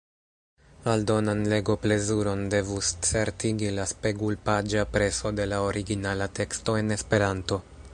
Aldonan legoplezuron devus certigi la spegulpaĝa preso de la originala teksto en Esperanto.